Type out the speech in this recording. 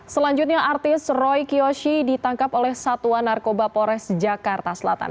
selanjutnya artis roy kyoshi ditangkap oleh satuan narkoba polres jakarta selatan